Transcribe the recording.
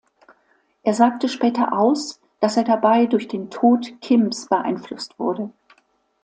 Er sagte später aus, dass er dabei durch den Tod Kims beeinflusst wurde.